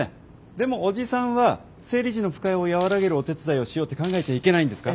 でもおじさんは生理時の不快を和らげるお手伝いをしようって考えちゃいけないんですか？